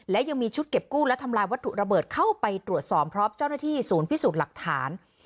และยังมีชุดเก็บกู้และทำลายวัตถุระเบิดเข้าไปตรวจสอบพร้อมเจ้าหน้าที่ศูนย์พิสูจน์หลักฐาน